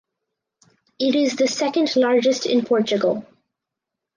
It is the second largest in Portugal.